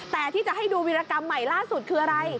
แต่ที่จะให้ดูวิรกรรมใหม่ล่าสุดคืออะไร